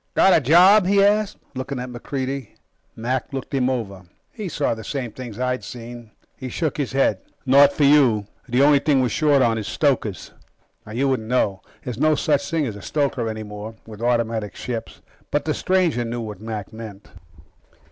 "Got a job?" he asked, looking at MacReidie. Mac looked him over. He saw the same things I'd seen. He shook his head. "Not for you. The only thing we're short on is stokers." You wouldn't know. There's no such thing as a stoker any more, with automatic ships. But the stranger knew what Mac meant.